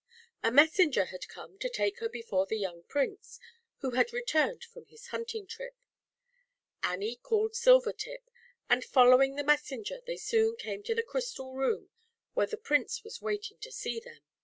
A Messenger had come to take her before the young Prince, who had returned from his hunting trip. Annie called Silvertip, and following the Mes senger, they soon came to the Crystal Room, where the Prince was waiting to see them.